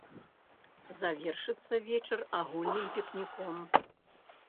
Завершыцца вечар агульным пікніком.